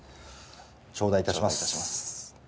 頂戴いたします。